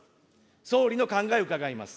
総理の考えを伺います。